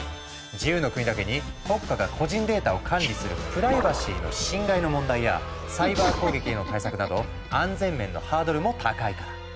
自由の国だけに国家が個人データを管理するプライバシーの侵害の問題やサイバー攻撃への対策など安全面のハードルも高いから。